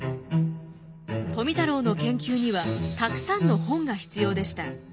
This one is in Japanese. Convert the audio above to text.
富太郎の研究にはたくさんの本が必要でした。